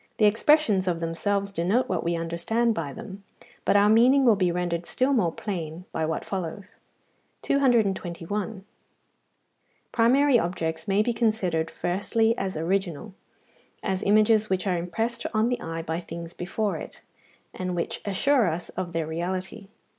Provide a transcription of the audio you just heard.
The expressions of themselves denote what we understand by them, but our meaning will be rendered still more plain by what follows. 221. Primary objects may be considered firstly as original, as images which are impressed on the eye by things before it, and which assure us of their reality.